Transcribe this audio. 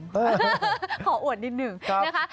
ขออวดนิดหนึ่งนะคะ